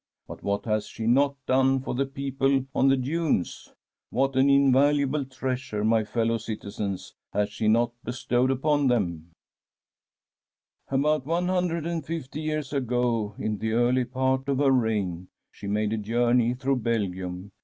But what has she not done for the people on the dunes I What an invaluable treasure, my fellow citizens, has she not bestowed upon them I *" About one hundred and fifty years ago, in the early part of her reign, she made a journey through Belgium.